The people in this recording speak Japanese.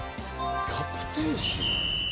キャプテンシー。